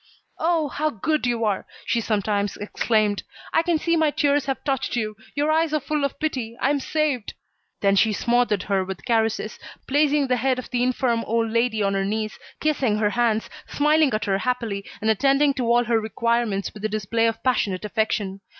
"Oh! How good you are!" she sometimes exclaimed. "I can see my tears have touched you. Your eyes are full of pity. I am saved." Then she smothered her with caresses, placing the head of the infirm old lady on her knees, kissing her hands, smiling at her happily, and attending to all her requirements with a display of passionate affection.